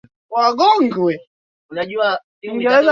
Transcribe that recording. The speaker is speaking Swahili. ulikuwa rahisi sana na mzuri kwa Waturuki na